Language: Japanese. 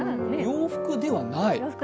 洋服ではない？